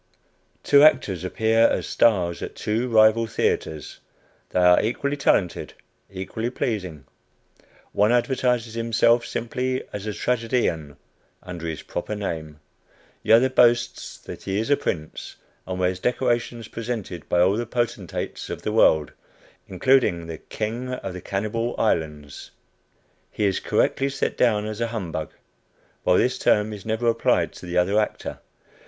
Two actors appear as stars at two rival theatres. They are equally talented, equally pleasing. One advertises himself simply as a tragedian, under his proper name the other boasts that he is a prince, and wears decorations presented by all the potentates of the world, including the "King of the Cannibal Islands." He is correctly set down as a "humbug," while this term is never applied to the other actor.